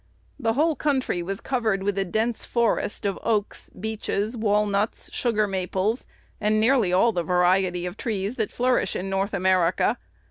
The whole country was covered with a dense forest of oaks, beeches, walnuts, sugar maples, and nearly all the varieties of trees that flourish in North America.